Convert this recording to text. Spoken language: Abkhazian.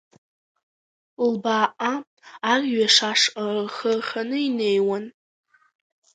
Лбааҟа, арҩаш ашҟа рхы рханы инеиуан.